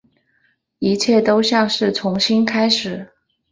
一切都像是重新开始